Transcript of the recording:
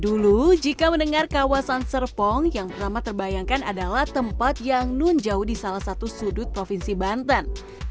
dulu jika mendengar kawasan serpong yang pertama terbayangkan adalah tempat yang nunjau di salah satu sudut provinsi banten